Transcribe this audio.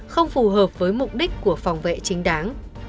không phù hợp với mục đích của phòng vệ chính đáng